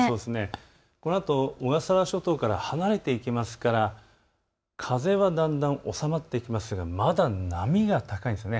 このあと小笠原諸島から離れていきますが風はだんだん収まっていきますがまだ波が高いんです。